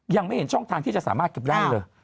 ยังไม่เห็นช่องทางที่จะสามารถเก็บได้เลย